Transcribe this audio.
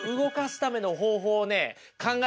考え